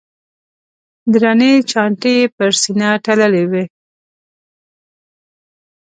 درنې چانټې یې پر سینه تړلې وې.